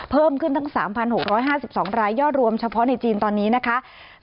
เพิ่มขึ้นทั้ง๓๖๕๒รายยอดรวมเฉพาะในจีนตอนนี้นะคะ